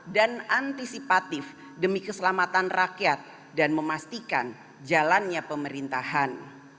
dan antisipatif demi keselamatan rakyat dan memastikan jalannya pemerintahan